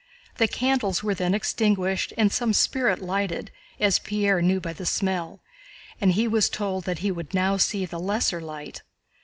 The candles were then extinguished and some spirit lighted, as Pierre knew by the smell, and he was told that he would now see the lesser light.